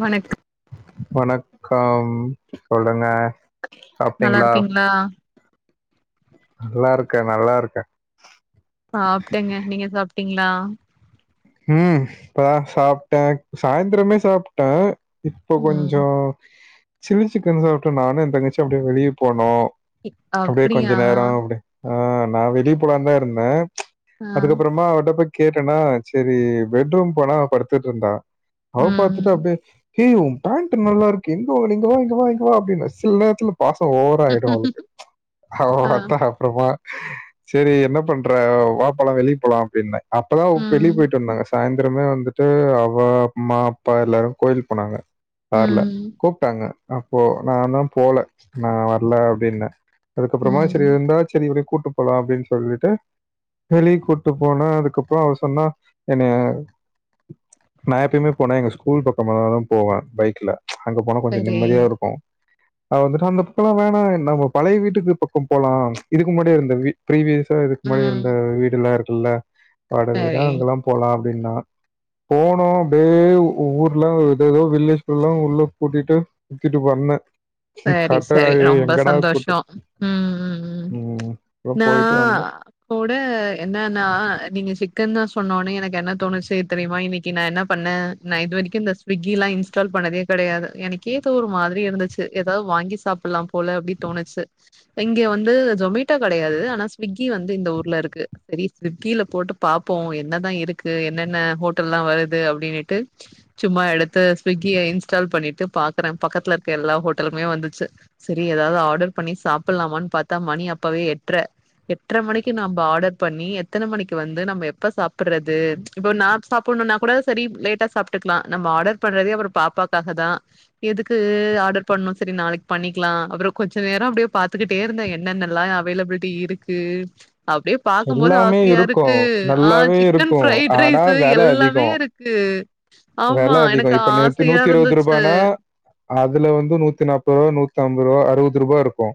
வணக்க வணக்கம் சொல்லுங்க நல்லா சாப்ட்டீங்களா இருக்கீங்களா நல்லா இருக்க நல்லா இருக்க ஆ சாப்புட்டங்க நீங்க சாப்புட்டீங்களா ம் இப்ப தா சாப்புட்ட சாயந்திரமே சாப்புட்ட இப்ப கொஞ்ச ம். சில்லிசிக்கன் சாப்புட்டு நானு எய தங்கச்சியு அப்டியே வெளில போனோ அப்டியே அப்டியா? கொஞ்ச நேர அப்டியே ஆ நா வெளிய போலானு தா இருந்த ஆ. அதுக்கப்பறம்மா அவகிட்ட போய் கேட்டனா சரி பெட்ரூம் போனா படுத்துட்டு இருந்தா அவ பாத்துட்டு ம். அப்டியே ஏய் உ போண்ட் நல்லா இருக்கு எங்க வாங்குனிங்க இங்க வா இங்க வா இங்க வா அப்டின்னா சில நேரத்துல பாச ஓவரா ஆயிடு அவளுக்கு அவ ஆ. அதா அப்பறமா சரி என்ன பண்ற வா போலா வெளியே போலா அப்படின்ன அப்பதா வெளிய ம். போயிட்டு வந்தாங்க சாயந்திரமே வந்துட்டு அவ அம்மா அப்பா எல்லாரு கோயிலுக்கு போனாங்க கார்ல ம். கூப்பிட்டாங்க அப்போ நா தா போல நா வரல அப்டின்ன அதுக்கப்பறமா ம். சரி இருந்தா சரி இவளையு ம்ம் கூட்டிட்டு போகலா அப்டின்னு சொல்லிட்டு வெளிய கூட்டிட்டு போன்ன அதுக்கப்பற அ சொன்னா என்னைய நா எப்பையுமே போனா எங்க ஸ்கூல் பக்க தா போவ பைக்ல அங்க போனா கொஞ்ச சரி. நிம்மதியா இருக்கும் அவ வந்துட்டு அந்த பக்கல்லா வேணா நம்ம பழைய வீட்டுக்கு பக்கம் போலா இதுக்கு முன்னாடி இருந்த ஃப்ரிவியஸ் இதுக்கு முன்னடி ம். இருந்த வீடு எல்லா இருக்குல்ல வாடக வீடா சரி. அங்கெல்லா போலா அப்டின்னா போனோ அப்டியே ஊர்லா ஏத ஏதோ வில்லேஜ்ல எல்லா உள்ள கூட்டிட்டு சுத்திட்டு வந்த சரி சரி ரொம்ப சந்தோஷ கூட்டு ம் ம் அப்றோ நா போயிட்டு வந்தோ கூட என்னன்னா நீங்க சிக்கன்னு தா சொன்னோனே எனக்கு என்ன தோணுச்சி தெரியுமா இன்னிக்கு நா என்ன பண்ண நா இது வரைக்கு இந்த ஸ்சுக்கி எல்லா இன்ஸ்டால் பண்ணாதே கிடையாது எனக்கே ஏதோ ஒரு மாதிரி இருந்துச்சி ஏதாவது வாங்கி சாப்புட்லா போல அப்டின்னு தோணுச்சி இங்க வந்து ஜொமேட்டோ கிடையாது ஆனா ஸ்சுகி வந்து இந்த ஊர்ல இருக்கு சரி ஸ்சுகியில போட்டு பாப்போ என்னதா இருக்கு என்னென்ன ஹோட்டல் எல்லா வருது அப்டின்னுட்டு சும்மா எடுத்து ஸ்சுக்கிய இன்ஸ்டால் பண்ணிட்டு பாக்கற பக்கத்துல இருக்க எல்லா ஹோட்ட லலுமே வந்துச்சி சரி ஏதாவது ஆர்டர் பண்ணி சாப்புடலாமான்னு பாத்தா மணி அப்பவே எட்டுர எட்ர மணிக்கு நம்ம ஆர்டர் பண்ணி எத்தன மணிக்கு வந்து நம்ம எப்ப சாப்புடுறது இப்போ நா சாப்பிடணும்னா கூட சரி லேட்டா சாப்பிட்டுக்கலா நம்ம ஆர்டர் பண்றதே அப்பற பாப்பாவுக்காக தா எதுக்கு ஆர்டர் பண்ணு சரி நாளைக்கு பண்ணிக்கலா அப்பற கொஞ்ச நேர அப்டியே பாத்துக்கிட்டே இருந்த என்ன என்ன எல்லா அவைலபிலிட்டி இருக்கு அப்டே பாக்குபோது எல்லாமே ஆசியா இருக்கு ஆ நல்லாவே சிக்கன் இருக்கு ப்ரைட் ஆனா ரைஸ்சு வெல எல்லாமே அதிகோ இருக் கு வெல அதிகோ இப்ப நேத் நூத்தி இருபது இருந்துச்சு. ரூபானா அதுலேருந்து நூத்தி நாற்பது நூத்தி அம்பது ரூவா அறுபது ரூபா இருக்கு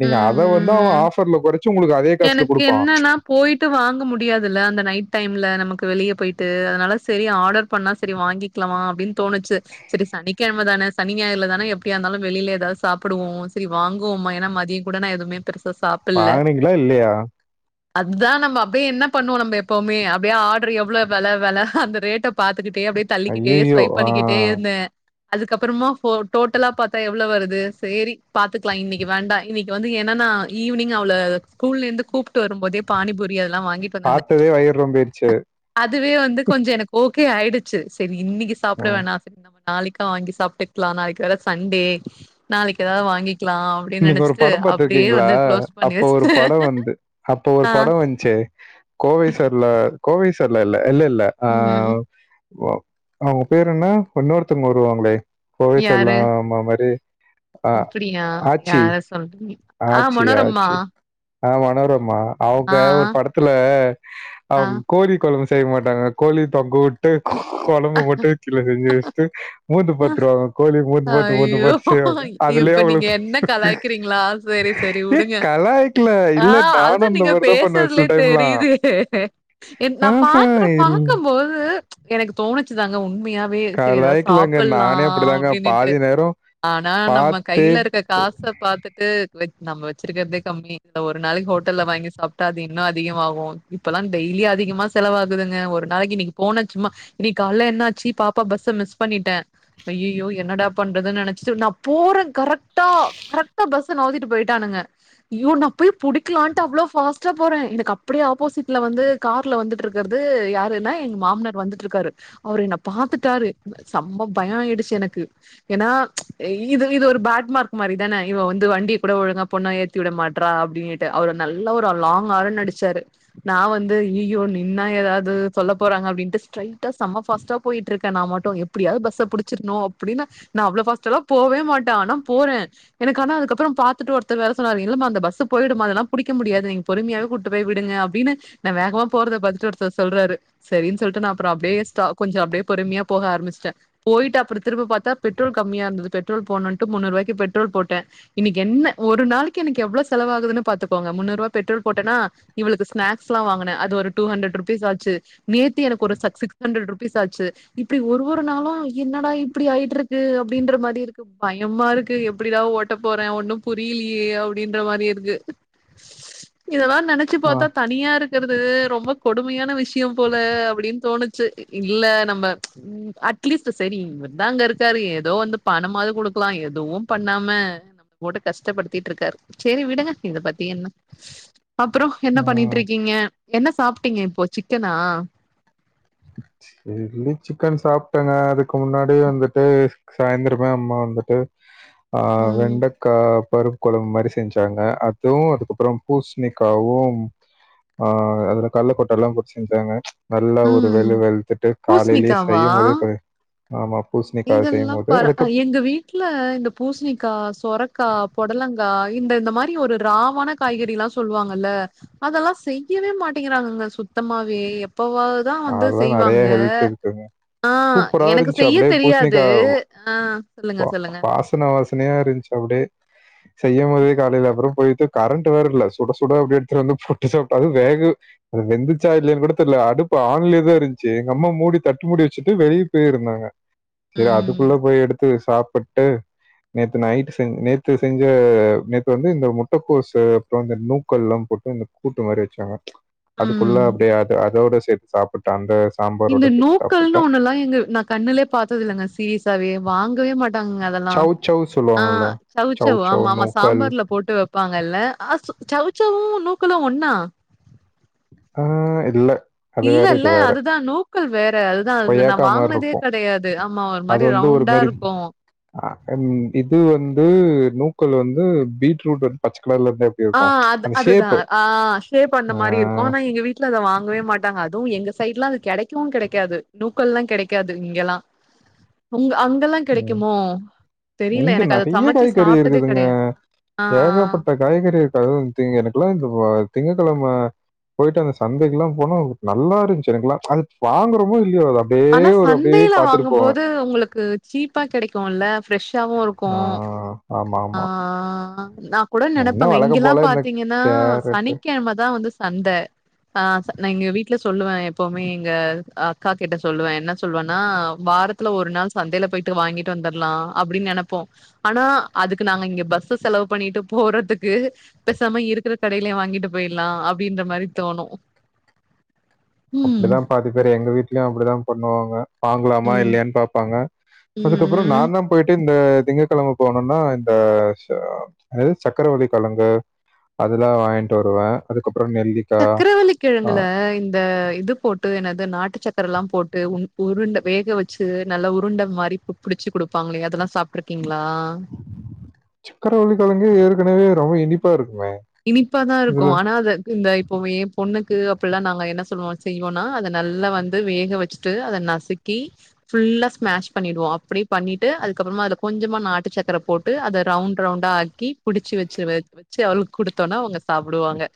நீங்க ம், அத வந்து அவ ம். ஆஃபர்ல குறைச்சி உங்களுக் எனக்கு என்னன்னா போயி்ட்டு வாங்க முடியாதுல அந்த நைட்டைமில்ல நமக்கு வெளியே போய்ட்டு அதனால சரி ஆர்டர் பண்ணா சரி வாங்கி கிலாமா அப்டினு தோணுச்சு சரி சனிக்கிழம தானே சனி ஞாயிறுலதானே எப்டியா இருந்தாலும் வெளியில ஏதாவது சாப்பிடுவோம் சரி வாங்குவோம்மா ஏன்னா மதிய குடனே எதுமே பெருசா சாப்பில்ல இல்ல இல்லியா அதுதான் நம்ம அப்டியே என்ன பண்ணுவோ நம்ம எப்பவுமே அப்டியே ஆர்டர் எவ்வளவு வெல வெல அந்த ரேட்ட பாத்துக்கிட்டே அப்டியே தள்ளிக்கிட்டே ஐய்யய்யோ ஸ்வைப் ஆ பண்ணிக்கிட்டே இருந்த அதுக்கப்புறமா போ டோட்டலா பாத்தா எவ்ளோ வருது சேரி பாத்துக்கலாம் இன்னிக்கு வேண்டாம் இன்னிக்கு வந்து என்னன்னா ஈவினங் அவள ஸ்கூல்லேருந்து கூப்டு வரும்போதே பானிபுரி அதெலாம் வாங்கிட் பாத்ததே வயிறு நொம்பியிடுச்சி அதுவே வந்து கொஞ்ச எனக்கு ஓகே ஆயிடுச்சி சரி இன்னிக்கு சாப்பிட ம் வேணாம் நம்ம நாளைக்கா வாங்கி சாப்பிட்டுக்கலாம் நாளைக்கு வேற சண்டே நாளைக்கு ஏதாவது வாங்கி க்கலாம் அப்டின்னு நீங்க ஒரு நினச்சிட்டு படம் அப்டியே பார்த்துருக்கீங்களா வந்து க்ளோஸ் அப்ப பண்ணியச் ஒரு படம் வந்து அப்போ ஒரு படம் வந்ச்சே கோவை சர்லா கோவை சர்லா இல்ல இல்ல இல் இல்ல ம் அவ் அவங்க பேர் என்ன இன்னொருத்தங்க வருவாங்களே கோவை சரலா அம்மா மாரி அ ப்பியா யார சொல் ஆ மனோரம்மா ஆ மனோரம்மா அவுங்க ஆ ஒரு படத்துல ஆ அவங் கோர குழம்பு செய்ய மாட்டாங்க கோழி தொங்க வுட்டு குழம்பு மட்டு கீழ செஞ்சு வச்சுட்டு மோந்து ஆ பத்துருவாங்க கோழி மோந்து பத்து மோந்து ஐயோ! பத்து செய்வாங்க அதுலியே இப்ப ஒரு நீங்க என்ன கலாய்க்கிறீங்களா? சரி, சரி ஏ உடுங்க. கலாய்க்குல இல்ல நானு அந்த மாதிரிதா பண்ணரத் லேதெரியுதே ஏ எ எ ஆஹா நா‌பத்ர இல் பாக்குபோது எனக்கு தோணுத் ச்சங்க உண்மையாவே செரி ஏதாவது கலாய்க்கலங்க சாப்பில்லா நானே அப்படிதாங்க அப்டின்னுட்டு பாதி நேரம் ஆனா நம்ம பார்த்து கையில இருக்க காச பாத்துட் ட்டு வச் நம்ம வச்சிருக்கறதே கம்மி இந்த ஒரு நாளைக்கு ஹோட்டல்ல வாங்கி சாப்ட்டா அது இன்னு அதிகமாகு இப்பல்லா டெய்லி அதிகமா செலவாக்குதுங்க ஒரு நாளைக்கு இன்னிக்கு போன சும்மா இன்னிக் கால என்னாச்சி பாப்பா பஸ்ஸ மிஸ் பண்ணிட்ட ஐயியோ என்னடா பண்றதுன்னு நினைச்சி நா போற கரெக்டா கரெக்டா பஸ்ஸ நஉதிட்டு போயிட்டானுங்க ய்யோ நா போய் புடிக்காளான்ட்டு அவ்ளோ ஃபாஸ்டா போற எனக்கு அப்டியே ஆப்போசிட்ல வந்து கார்ல வந்துட்டு இருக்கருறது யாருன்னா எங்க மாமனார் வந்துட்டு இருக்காரு அவரு என்ன பாத்துட்டாரு சம்ம பயோ ஆயிடுச்சு எனக்கு ஏன்னா இது இது ஒரு பேட் மார்க் மாரி தானே இவ வந்து வண்டிய கூட ஒழுங்கா பொண்ண ஏத் தி விட மாட்ரா அப்படின்னுட்டு அவரு நல்லா ஒரு லாங் ஆரன் அடிச்சாரு நா வந்து ஐயியோ நின்னா ஏதாது சொல்ல போறாங்க அப்டின்ட்டு ஸ்ட்ரை டா செம்மா பாாஸ்டா போயிட்டிருக்க நாமட்டு எப்படியாவது பஸ்அ புடிச்சிருனோ அப்டின்னு நா அவ்ளோ ஃபாஸ்டாலா போவே மாட்ட ஆனா போற எனககான அதுக்கப்புறோ பாத்துட்டு ஒருத்தர் வேர சொனாரு இல்ல மா அந்த பஸ் போயிடுமா அதெல்லா புடிக்க முடியாது நீங் பொறுமையாவே கூட்டு போய் விடுங்க அப்டின்னு நா வேகமா போறத பார்த்துட்டு ஒருதர் சொல்றாரு சரின் சொல்லிட்டு நா அப்ரொ அப்படியே ஸ்டாப் கொஞ்ச அப்டியே பொறுமையா போக ஆர்மிச்சுட போயிட்டு அப்புற திரும்ப பாதா பெட்ரொல் கம்மிய இருந்தது பெட்ரல் போனுன்ட்டு முன்னூறுவாய்கு பெட்ரோல் போட்ட இன்னிக்கு என்ன ஒரு நாளைக்கு எனக்கு எவ்லோ செலவாகுதுன்னு பாத்துக்கோங்க முன்னூறு ரூபா பெட்ரோல் போட்டன்னா இவளுக்கு ஸ்நாக்ஸ்சலா வங்குன அது ஒரு டூ ஹண்ட்ரட் ருபீஸ் ஆச்சு நேத்தி எனக்கு ஒரு ச சிக்ஸ் ஹண்ட்ரட் ருபீஸ் ஆச்சு இப்டி ஒரு ஒரு நாளு என்னடா இப்டி ஆயிட்ருக்கு அப்டின்றா மாரி இருக் பயமா இருக்கு எப்டிடா ஓட்ட போற ஒண்ணு புரியிலியே அப்டின்றா மாரி இருக்கு இதெல்லா நெனச் ச்சு ஆ, பாத்தா தனியா இருக்கிறது ரொம்ப கொடுமையான விஷய போல அப்டின்னு தோணுச் சு இல்ல நம்ம ம் அட்லீஸ்ட் சரி இவர் தா அங்க இருக்காரு ஏதோ வந்து பணமாவது குடுக்லா எதுவு பண்ணாம போட்டு கஷ்டப்படுத்திட்டு இருக்காரு சரி விடுங்க இத பத்தீ என்ன அப்றோ என்ன ஆ, பண்ணிட்டு இருக்கீங்க என்ன சாப்ட்டீங்க இப்போ சிக்கனா சில்லி சிக்கன் சாப்ட்டங்க அதுக்கு முன்னாடி வந்துட்டு சாயந்திரமே அம்மா வந்துட்டு ஆ ம் வெண்டக் க்கா பருப்பு கொழம்பு மாரி செஞ்சாங்க அதுவு அதுக்கப்புறோ பூசணிக்காவும் ஆ அதுல கள்ளகொட்டலா போட்டு செஞ்சாங்க நல்லா ஒரு ம் வெளுவெளுத்துட்டு காலைலயே பூஸ்ணிக்காவா செய்யுமோதே கொடு ஆமா பூசணிக் இதெல்லா பர எங்க வீட் ட்ல இந்த பூசணிக்கா சொரக்கா பொடலங்கா இந்த இந்த மாரி ஒரு ராவாண காய்கறிலா சொல்லுவாங்கல்ல அதெல்லா செய்யவே மாட்டேங்கிறாங்கங்க சுத்தமாவே எப்பவாவ் தா வந்து அதெல்லாம் நிறைய செய்வாங்க ஹெல்த் இருக்குங்க ஆ சூப்பரா எனக்கு இருந்துச்சு செய்யத் அப்டியே தெரியாது பூசணிக்கா ஆ சொல்லுங்க வா சொல்லுங்க வாசன வாசனையா இருந்ச்சு அப்டே செய்யும் போதே காலையில அப்புறோ போயிட்டு கரண்ட் வேற இல்ல சுட சுட அப்டே எடுத்து வந்து போட்டு சாப்ட்டு அது வேகு அது வெந்துச்சா இல்லலையான்னு கூட தெரில அடுப் பு ஆன்லயேதா இருந்ச்சு எங்க அம்மா மூடி தட்டு மூடி வச்சுட்டு வெளிய போய் இருந்தாங்க சரி ம். அதுக்குள்ள போய் எடுத்து சாப்புட்டு நேத்து நைட்டு செஞ் நேத்து செஞ்ச நேத்து வந்து இந்த முட்டகோசு அப்புற இந்த நூக்கல்லா போட்டு இந்த கூட்டு மாரி வச்சாங்க அதுக்குள்ள ம். அப்டி அத அதோட சேத்து சாப் ந்த அந்த சாம் இந்த நூக்கல்னு ஒண்ணு எல்லா எங்க நான் கண்ணுலே பாத்ததே இல்லங்க சீரீஸாவே வாங்கவே மாட் டாங்க அதெல்லா சவ் சவ் ஆ சொல்லுவாங்கல்ல சவ் சவுச்சவு சவ் ஆமா ஆமா நூக்கல் சாம்பார்ல போட்டு வப்பாங்கல்ல அ சவுச்சவு நூக்கலு ஒன்னா ஆ இல்ல அது வேற இல்ல இது இல்ல வேற. அதுதா நூக்கல் வேற அதுதா நா கொய்யாக்கா மாரி வாங்குனதே இருக்கும். கெடையாது ஆமா ஒரு அது மாரி வந்து ஒரு ரவுண் டா மாரி இருக்கு அ இது வந்து நூக்கல் வந்து பீட்ரூட் வந்து பச்சகலர்ல இருந்தா எப் ஆ அது அதுதா ஆ ஸ்டே பண்ண ஆ மாரி இருக்கு ஆனா எங்க வீட்ல அத வாங்கவே மாட்டாங்க அதும் எங்க சைடுலா அது கெடைக்கவு கெடைக்காது நூக்கல்லா கெடைக்காது இங்கல்லா உங்க அங்கல்லா ம் கெடைக்குமோ இங்க நெறைய காய்கறி இருக்குதுங்க கிடையாது. ஆ. ஏகபட்ட காய்கறியிருக்கு அதுவு திங் எனக்கெல்லா இந்த திங்ககெழம போயிட்டு அந்த சந்தைக்குல்லா போனா நல்லா இருஞ்சு எனக்குலா அது வாங்குறமோ இல்லையோ அத ஆனா சந்தைல வாங்கும்போது உங்களுக்கு சீப்பா கெடைக்கும்ல ஃப்ரெஷ்ஷாவு இருக்கு ஆ ஆமா ஆ ஆ நா கூட நெனப்பங்க வழக்கம் இங்கெல்லா போல இந்த பாத்தீங்கன்னா கேரட் சனிக்கெழமதா வந்து சந்த ஆ நா இங்க வீட் ட்ல சொல்லுவ எப்பவுமே இங்க அக்கா கிட்ட சொல்லுவே என்ன சொல்லுவன்னா வாரத் துல ஒரு நாள் சந்தையில போயிட்டு வாங்கிட்டு வந்துரலா அப்டின்னு நெனப்போ ஆனா அதுக்கு நாங்க இங்க பஸ்ஸு செலவு பண்ணிட்டு போறதுக்கு பேசாம இருக்கிற கடையிலயே வாங்கிட்டு போயிடலா அப்டின்ற மாரி தோணு ம் அப்டிதா பாதி பேரு எங்க வீட்லயு அப்டித்தா பண்ணுவாங்க வாங்கலாமா ம் இல்லையான் பாப்பாங்க ம் அதுக்கப்புற நா ம் தா போயிட்டு இந்த திங்ககெழமை போனுனா இந்த ஷ அது சக்கரவள்ளி கெழங்கு அதெல்லா வாங்கிட்டு வருவ அதுக்கப்பற நெல்லிக் சக்கரவள்ளிகிழங்குல இந்த இது போட் டு ன்னாது நாட்டு சக்கரல்லா போட்டு உண் உருண்ட வேக வச்சு நல்லா உருண்ட மாரி பு புடிச்சு குடுப்பாங்கலே அதெல்லா சாப்ட்டுருக்கீங்ளா சக்கரவள்ளிக்கெழங்கு ஏற்கனவே ரொம்ப இனிப்பா இருக்குமே இனிப்பா தா இருக்கு இதுல ஆனா அது இந்தய் பமே யே பொண்ணுக்கு அப்பல்லா நாங்க என்ன சொல்லுவோ செய்வோனா அத நல்லா வந்து வேக வச்சுட்டு அத நசுக்கி ஃபுல்லா ஸ்மாஷ் பண்ணிடுவோ அப்டி பண்ணிட்டு அதுக்கப்புறமா அது கொஞ்சம நாட்டு சக்கர போட்டு அத ரவுண்ட் ரவுண்டா ஆக் க்கி புடிச்சு வச்சு வச்சு அவளுக்கு குடுத்தோனா அவங்க சாப்டுவாங்க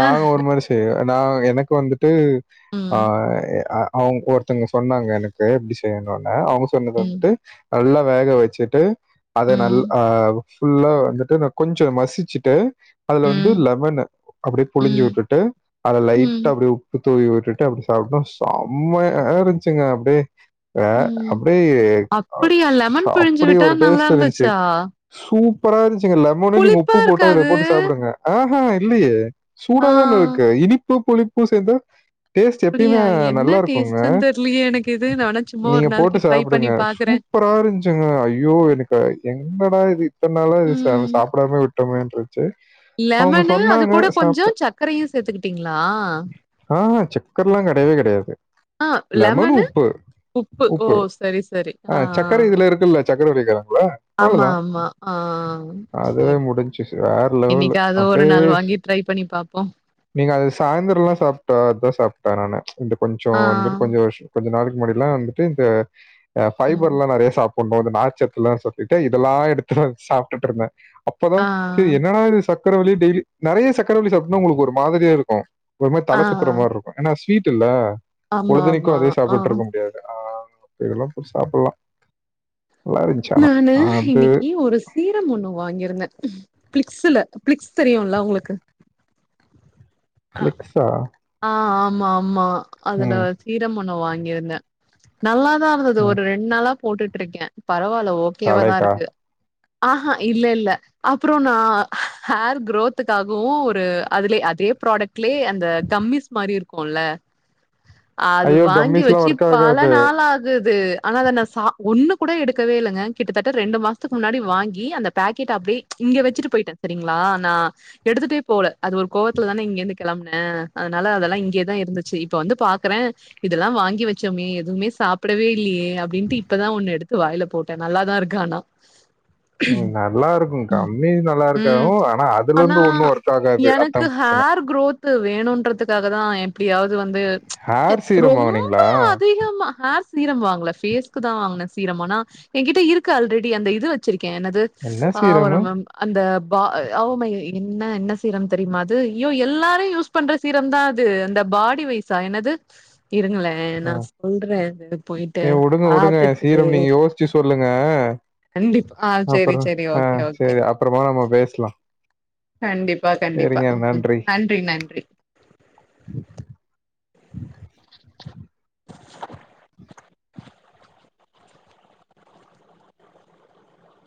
நாங்க ஒரு மாதிரி செய்வ நா எனக்கு வந்துட்டு ம், ஆஹ் ஆ அவங்க ஒருத்தங்க சொன்னாங்க எனக்கு எப்டி செய்யணுன்னு அவங்க சொன்னது ம், வந்துட்டு நல்லா வேக வெச்சுட்டு அத நல் ம், ஹா ஃபுல்லா வந்துட்டு கொஞ்சோ மசிச்சுட்டு அதுல வந்து ம், லெமனு அப்டியே புழிஞ்சு ம், வுட்டுட்டு அது லைட்டா ம், அப்டியே உப்பு தூவி விட்டுட்டு அப்டி சாப்டோ செம்மயா இருந்துச்சுங்க அப்டியே ஆஹ ம். அப்டியே ஆ அப்படியா? ஸ்ஸு லெமன் பிழிஞ்சு அப்டி விட்டா ஒரு நல்லா டேஸ்ட் இருந்துச்சு இருந்துச்சா? சூப்பரா இருந்துச்சிங்க லெமனு நீங்க புளிப்பா உப்பு போட்டு அதுல இருக்காது? போட்டு சாப்டுங்க ஆஹ்ஹ இல்லையே சூடாதானே ஆ. இருக்கு இனிப்பு புளிப்பு சேந்த டேஸ்ட் எப்பயுமே அப்படியா? என்ன நல்லா இருக்குங்க டேஸ்ட்டுன்னு தெரியலையே எனக்கு இது. நான் வேணா சும்மா ஒரு நீங்க நாளைக்கு போட்டு ட்ரை பண்ணி சாப்டுங்க பாக்குறேன். சூப்பரா இருஞ்சுங்க ஐயோ எனக்கு என்னடா இது இத்தன நாளா இத ம். சாப்பிடாம விட்டொமேன்ருக்கு விட்டோமேன்றுக்குது சரி அவங்க சொன்னாங்க கொஞ்சோ சாப்பிட்டேன். சக்கரையும் சேத்துக்கிட்டீங்ளா ஆஹ் சக்கரல்லா கெடையவே கெடையாது ஆஹ் லெமனு உப்பு ஓ சரி சரி ஆ சர்க்கரை ஆஹ்ஹ் இதுல இருக்குல்ல, சர்க்கரை வெள்ளிக்கிழங்குல ஆமா அவ்வளோதான். ஆமா ஆஹ் அதுவே சரி முடிஞ்சுச்சு. வேற லெவலு. என்னைக்காது ஒரு அப்படியே நாள் வாங்கி ஸ்- ட்ரை பண்ணி பாப்போம் நீங்க அது சாய்ந்தரல்லா சாப்ட்டா அதுதா சாப்ட்ட நானு இது கொஞ்சோ ஆ, வந்துட்டு கொஞ்ச வெஸ் கொஞ்ச நாளைக்கு முன்னடியெல்லா வந்துட்டு இந்த ஆஹ் ம். ஃபைபர்ல்லா நெறைய சாப் ஒண்ணு வந்து நார் சத்துலா சொல்லிட்டு இதெல்லா எடுத்துனு வந் சாப்டுட்டுருந்தே அப்பதா ஆ, சரி என்னாட இது சக்கரவள்ளியே டெய்லி நிறைய சக்கரைவலி சாப்ட்னா உங்களுக்கு ஒரு மாதிரியா இருக்கு ஒரு மாதி ஆ. தல சுத்துற மாரிருக்கு ஏனா ஸ்வீட் இல்ல பொழுதனிக்கு ஆமாமா. அதே ஆ. சாப்ட்டு இருக்க முடியாது ஆ இதெல்லா போட் சாப்பல்லா நல்லாருக் நானு இன்னைக்கு ஒரு சீரம் ஒன்னு வாங்கிருந்தே பிளிக்ஸ்ல பிளிக்ஸ் தெரியுல்ல உங்களுக்கு ஃபிலிக்ஸா ஆஹ் ஆமா ஆமா அதுல சீரம் ஒன்னு வாங்கியிருந்தே நல்லாதா அது ஒரு ம் ரெண்டு நாளா போட்டுட்டு இருக்கே பரவால்ல தலைக்கா ஓகேவாதாருக்கு ஆஹ் ஹ இல்ல இல்ல அப்புறோ நா ஹேர் க்ரோத்துக்காகவு ஒரு அதலே அதே ப்ராடக்ட்லயே அந்த கம்மிஸ் மாரி இருக்குல்ல அது ஐயோ வாங்கி கம்மிஸ்லாம் வெச்சு ஒர்க் பல ஆகாது நாள் ஆகுது ஆனா அத நான் சா ஒன்னு கூட எடுக்கவே இல்லங்க கிட்டத்தட்ட ரெண்டு மாசத்துக்கு முன்னாடி வாங்கி அந்த பேக்கெட் அப்டியே இங்க வச்சிட்டு போயிட்டே சரிங்ளா நா எடுத்துட்டே போல அது ஒரு கோவ த்ல தானே இங்கேருந்து கிளம்பனே அதனால அதல்லா இங்யேதா இருந்துச்சு இப்ப வந்து பாக்குறே இதெல்லா வாங்கி வச்சோமே எதுமே சாப்டவே இல்லையே அப்டின்ட்டு இப்பதா ஒண்ணு எடுத்து வாயில போட்டே நல்லாதா இருக்கு ஆனா ம் நல்லா இருக்கும் கம்மிஸ் நல்லா ம். இருக்காவு ஆனா ஆனா அதுலருந்து ஒண்ணும் ஒர்க் ஆகாது அத்தா எனக்கு பிரச்ச ஹேர் குரோத் வேணும்ன்றதுக்காக தா எப்டியாவது வந்து ஹேர் சீரம் ரொம்ப வாங்குனீங்களா அதிகமா ஹேர் சீரம் வாங்கல பேஸ்கு தா வாங்கனே சீரம்னா ஆனா என் கிட்ட இருக்கு ஆல்ரெடி அந்த இது வெச்சிருக்கே என்னது என்ன சீரம் ஆவருமேம் அந்த ஆவ் மை ன்ன என்ன சீரம் தெரியுமா அத் து யோ எல்லாரு யூஸ் பண்ற சீரம் தா அது அந்த பாடி வைசா என்னது இருங்களே ஆ நா சொல்றே இது போயிட்டு ஏ உடுங்க உடுங்க பாத்துட்டு சீரம் நீங்க யோசிச்சு சொல்லுங்க கண்டிப்பா ஆ செரி அப்புறம் செரி ஆ ஓகே ஓகே சரி அப்புறமா நம்ம பேசலாம் கண்டிப்பா கண்டிப்பா ம் மிக்கநன்றி நன்றி நன்றி